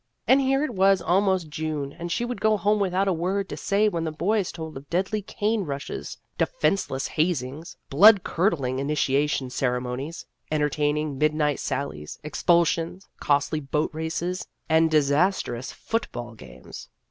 And here it was almost June, and she would go home without a word to say when the boys told of deadly cane rushes, defenceless hazings, blood curdling initiation ceremonies, entertaining mid night sallies, expulsions, costly boat races, and disastrous football games.